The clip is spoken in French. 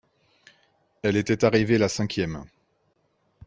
elle était arrivée la cinquième.